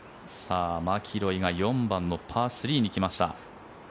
マキロイが４番のパー３に来ました。